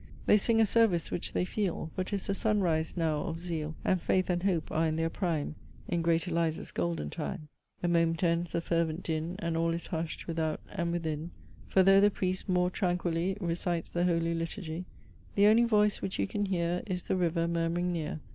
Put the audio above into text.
They sing a service which they feel: For 'tis the sun rise now of zeal; And faith and hope are in their prime In great Eliza's golden time." "A moment ends the fervent din, And all is hushed, without and within; For though the priest, more tranquilly, Recites the holy liturgy, The only voice which you can hear Is the river murmuring near.